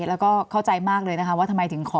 แล้วก็เข้าใจมากเลยนะคะว่าทำไมถึงขอ